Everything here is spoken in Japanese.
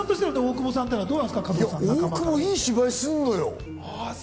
大久保、いい芝居するのよ。